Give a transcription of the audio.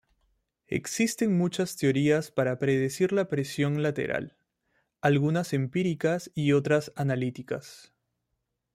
Existen muchas teorías para predecir la presión lateral, algunas empíricas y otras analíticas.